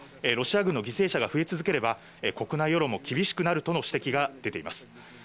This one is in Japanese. ロシア軍の犠牲者が増え続ければ、国内世論も厳しくなるとの指摘が出ています。